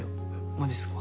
マジっすか？